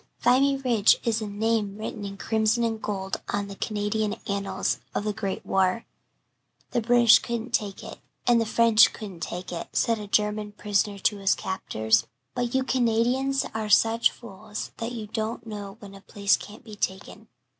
Vimy Ridge is a name written in crimson and gold on the Canadian annals of the Great War. "The British couldn't take it and the French couldn't take it," said a German prisoner to his captors, "but you Canadians are such fools that you don't know when a place can't be taken!"